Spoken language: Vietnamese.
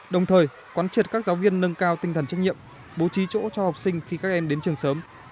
đồng thời quán triệt các giáo viên nâng cao tinh thần trách nhiệm bố trí chỗ cho học sinh khi các em đến trường sớm